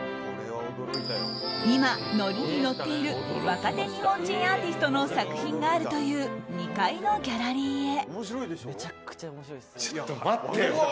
今、乗りに乗っている若手日本人アーティストの作品があるという２階のギャラリーへ。